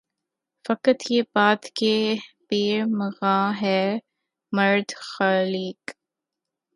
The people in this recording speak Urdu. فقط یہ بات کہ پیر مغاں ہے مرد خلیق